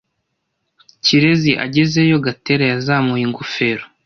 Kirezi agezeyo, Gatera yazamuye ingofero.